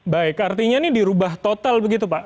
baik artinya ini dirubah total begitu pak